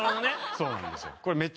そうなんですよ。